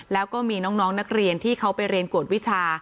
แล้วก็มีน้องนักเรียนที่เขาไปเรียนกวดวิชา